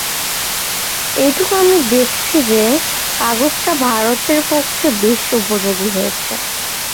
এইটুকু আমি দেখছি যে, কাগজটা ভারতের পক্ষে বেশ উপযোগী হয়েছে।